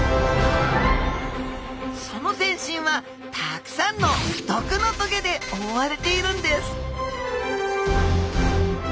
その全身はたくさんの毒の棘でおおわれているんです